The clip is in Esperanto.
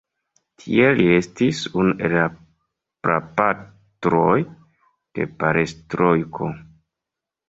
Tiel li estis unu el prapatroj de perestrojko.